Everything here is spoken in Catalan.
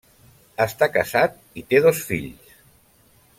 Està casat i té dos fills.